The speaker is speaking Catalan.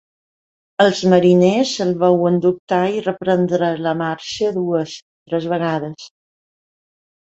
Els mariners el veuen dubtar i reprendre la marxa dues, tres vegades.